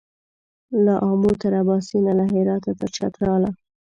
له آمو تر اباسینه له هراته تر چتراله